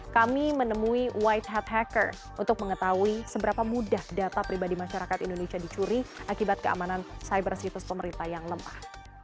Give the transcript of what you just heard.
kami menemui white hat hacker untuk mengetahui seberapa mudah data pribadi masyarakat indonesia dicuri akibat keamanan cyber situs pemerintah yang lemah